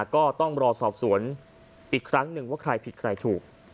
ก็ต้องรอสอบสวนอีกครั้งหนึ่งว่าใครผิดใครถูก